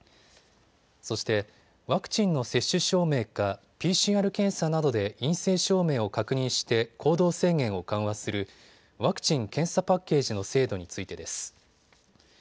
そして、ワクチンの接種証明かＰＣＲ検査などで陰性証明を確認して行動制限を緩和するワクチン・検査パッケージの制度についてです。